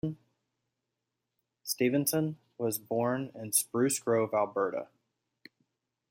Stevenson was born in Spruce Grove, Alberta.